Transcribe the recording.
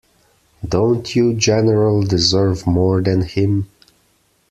Don't you, General, deserve more than him?